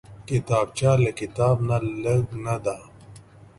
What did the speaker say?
کتابچه له کتاب نه لږ نه ده